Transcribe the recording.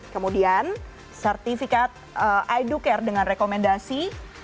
kemudian sertifikat idu care dengan rekomendasi